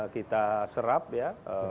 kita serap ya